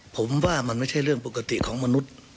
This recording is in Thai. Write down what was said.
ผมว่ามันไม่ใช่เรื่องปกติของมนุษย์